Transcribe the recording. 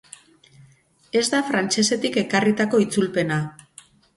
Ez da frantsesetik ekarritako itzulpena.